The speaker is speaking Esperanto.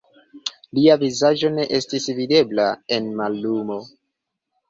Lia vizaĝo ne estis videbla en mallumo.